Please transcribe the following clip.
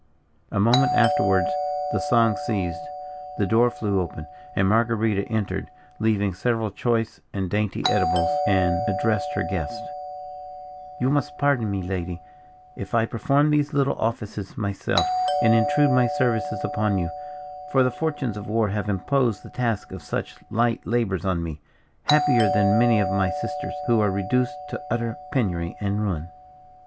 A moment afterwards the song ceased, the door flew open, and Marguerita entered, leaving several choice and dainty eatables, and addressed her guest: "You must pardon me, lady, if I perform these little offices myself, and intrude my services upon you, for the fortunes of war have imposed the task of such light labours on me, happier than many of my sisters, who are reduced to utter penury and ruin."